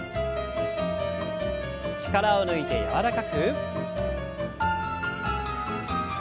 力を抜いて柔らかく。